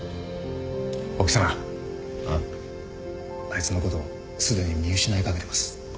あいつのことすでに見失いかけてます。